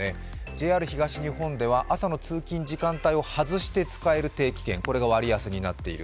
ＪＲ東日本では朝の通勤時間帯を外して使える定期券、これが割安になっている。